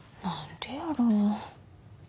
何でやろう。